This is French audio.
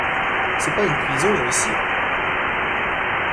C’est pas une prison, ici